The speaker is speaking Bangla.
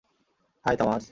High, Thomas!